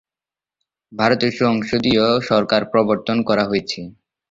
ভারতে সংসদীয় সরকার প্রবর্তন করা হয়েছে।